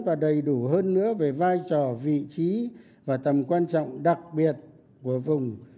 và đầy đủ hơn nữa về vai trò vị trí và tầm quan trọng đặc biệt của vùng